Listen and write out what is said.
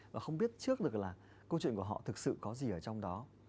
và không biết trước được là câu chuyện của họ thực sự có gì ở trong đó